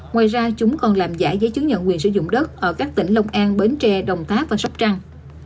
ngoài ra chúng còn làm giả giấy chứng nhận quyền sử dụng đất ở các tỉnh long an bến tre đồng tháp và sóc trăng